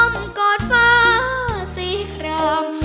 อ้อมกอดฟ้าสี่คราม